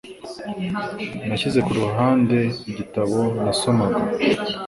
Nashyize ku ruhande igitabo nasomaga.